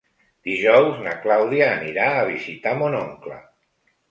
Dijous na Clàudia anirà a visitar mon oncle.